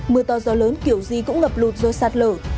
mưa to gió lớn kiểu gì cũng ngập lụt rồi sát lở